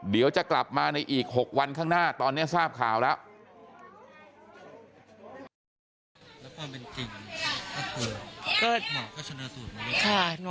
เดี๋ยวจะกลับมาในอีก๖วันข้างหน้าตอนนี้ทราบข่าวแล้ว